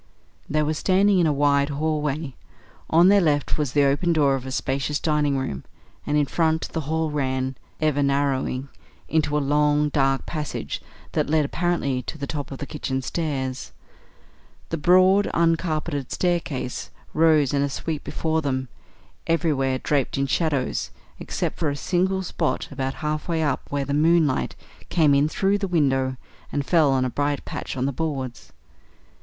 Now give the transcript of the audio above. They were standing in a wide hall way; on their left was the open door of a spacious dining room, and in front the hall ran, ever narrowing, into a long, dark passage that led apparently to the top of the kitchen stairs. The broad uncarpeted staircase rose in a sweep before them, everywhere draped in shadows, except for a single spot about half way up where the moonlight came in through the window and fell on a bright patch on the boards.